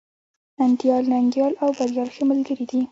انديال، ننگيال او بريال ښه ملگري دي.